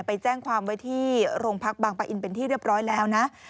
ไปแจ้งความไว้ที่โรงพักบางปะอินเป็นที่เรียบร้อยแล้วนะ